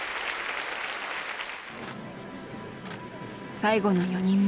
最後の４人目。